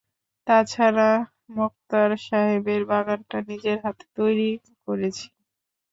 তা ছাড়া মোক্তার সাহেবের বাগানটা নিজের হাতে তৈরি করেছি।